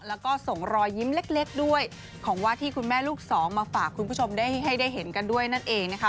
แล้วก็ส่งรอยยิ้มเล็กด้วยของว่าที่คุณแม่ลูกสองมาฝากคุณผู้ชมได้ให้ได้เห็นกันด้วยนั่นเองนะคะ